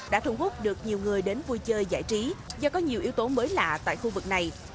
đã thu hút được nhiều người đến vui chơi giải trí do có nhiều yếu tố mới lạ tại khu vực này